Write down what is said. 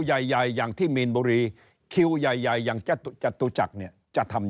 ใหญ่ใหญ่อย่างที่มีนบุรีคิวใหญ่ใหญ่อย่างจตุจักรเนี่ยจะทำ